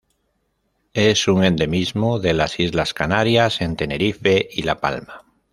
Es un endemismo de las Islas Canarias en Tenerife y La Palma.